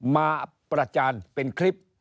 มาประจานเป็นคลิป